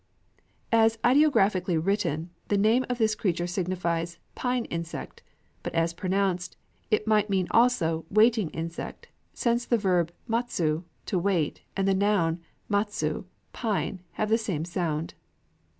_ As ideographically written, the name of this creature signifies "pine insect;" but, as pronounced, it might mean also "waiting insect," since the verb "matsu," "to wait," and the noun "matsu," "pine," have the same sound.